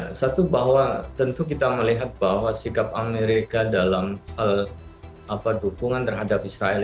ya satu bahwa tentu kita melihat bahwa sikap amerika dalam dukungan terhadap israel